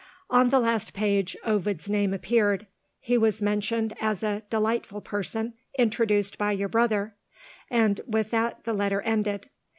On the last page, Ovid's name appeared. He was mentioned, as a "delightful person, introduced by your brother," and with that the letter ended.